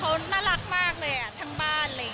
ก็คุยค่ะเขาน่ารักมากเลยทั้งบ้าน